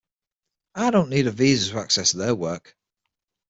I don't need a visa to access their work.